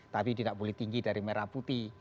tapi tidak boleh tinggi dari merah putih